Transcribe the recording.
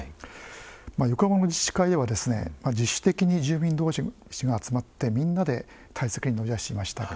横浜の自治会では自主的に住民が集まってみんなで対策に乗り出していました。